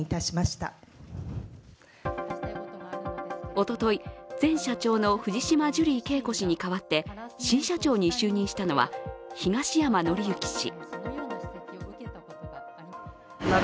おととい、前社長の藤島ジュリー景子氏に代わって新社長に就任したのは東山紀之氏。